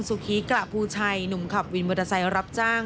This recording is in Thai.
สุคีกระภูชัยหนุ่มขับวินมอเตอร์ไซค์รับจ้าง